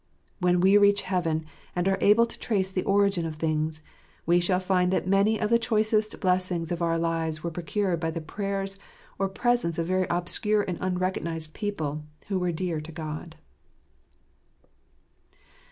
When we reach heaven, and are able to trace the origin of things, we shall find that many of the choicest blessings of our lives were procured by the prayers or presence of very obscure and unrecognised people who were dear to God.